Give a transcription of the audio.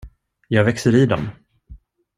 Jag växer i dem.